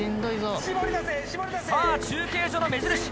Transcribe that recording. さぁ中継所の目印